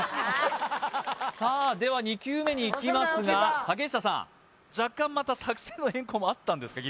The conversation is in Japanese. さあでは２球目にいきますが竹下さん若干また作戦の変更もあったんですか？